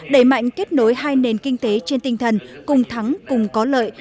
đẩy mạnh kết nối hai nền kinh tế trên tinh thần cùng thắng cùng có lợi